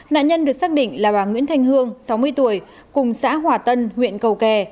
nạn nhân được xác định là bà nguyễn thanh hương sáu mươi tuổi cùng xã hòa tân huyện cầu kè